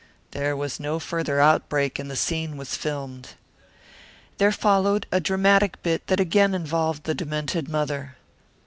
There was no further outbreak and the scene was filmed. There followed a dramatic bit that again involved the demented mother.